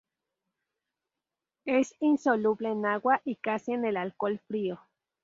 Es insoluble en agua, y casi en el alcohol frío.